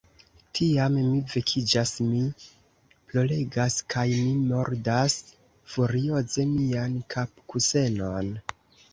Tiam, mi vekiĝas, mi ploregas, kaj mi mordas furioze mian kapkusenon.